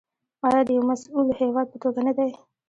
آیا د یو مسوول هیواد په توګه نه دی؟